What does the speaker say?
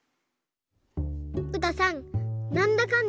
うたさんなんだかん